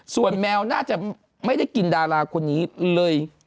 ส่วนแมวน่าจะไม่ได้กินดาราคนนี้เลย